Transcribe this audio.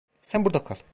Sen burada kal.